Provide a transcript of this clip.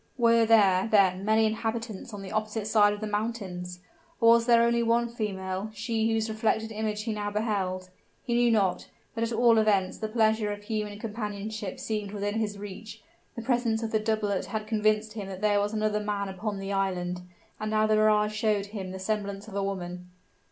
Were there, then, many inhabitants on the opposite side of the mountains? or was there only one female, she whose reflected image he now beheld? He knew not; but at all events the pleasure of human companionship seemed within his reach; the presence of the doublet had convinced him that there was another man upon the island, and now the mirage showed him the semblance of a woman!